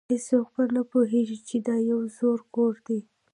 هیڅوک به نه پوهیږي چې دا یو زوړ کور دی